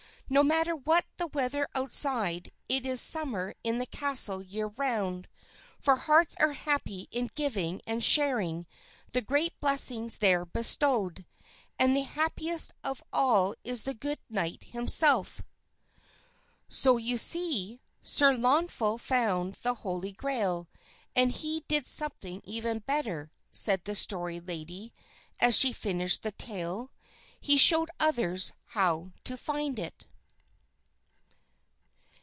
No matter what the weather outside, it is summer in the castle the year round, for hearts are happy in giving and sharing the great blessings there bestowed; and the happiest of all is the good knight himself. "So you see, Sir Launfal found the Holy Grail, and he did something even better," said the Story Lady as she finished the tale; "he showed others how to find it."